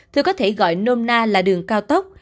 tôi có thể gọi nôm na là đường cao tốc